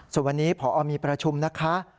ส่วนวันนี้พอมีประชุมนะคะ